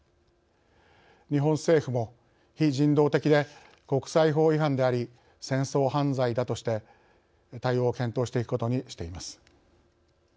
日本政府も、非人道的で国際法違反であり戦争犯罪だとして、対応を検討していくことにしています。